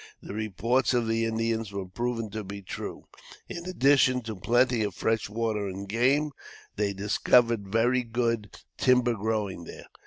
The reports of the Indians were proven to be true. In addition to plenty of fresh water and game, they discovered very good timber growing there.